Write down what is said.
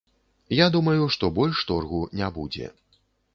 Я думаю, што больш торгу не будзе.